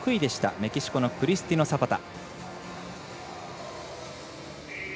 メキシコのクリスティノサパタ。